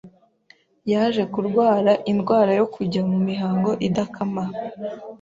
yaje kurwara indwara yo kujya mu mihango idakama